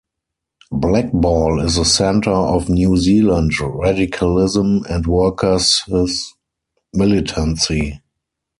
Blackball is a centre of New Zealand radicalism and workers' militancy.